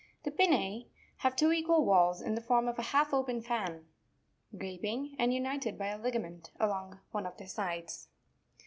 The Pinna have two equal valves in form of a half open fan, gaping and united by a ligament along one of their sides.